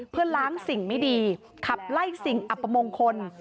เพื่อล้างสิ่งไม่ดีขับไล่สิ่งอัปมงคล